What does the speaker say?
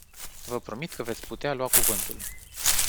Vă promit că veți putea lua cuvântul.